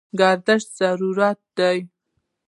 ګردش ضروري دی.